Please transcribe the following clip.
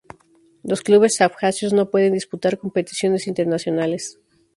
Los clubes abjasios no pueden disputar competiciones internacionales.